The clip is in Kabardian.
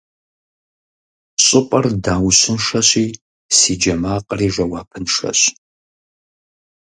ЩӀыпӀэр даущыншэщи, си джэ макъри жэуапыншэщ.